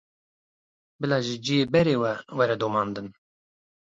Bila ji ciyê berê ve were domandin?